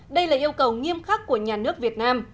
đây là yêu cầu nghiêm khắc của nhà nước việt nam